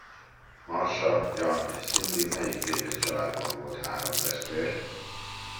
Marsha, Jan és Cindy melyik tévés családban volt három testvér?